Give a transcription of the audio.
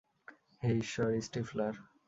হে ঈশ্বর, স্টিফলার।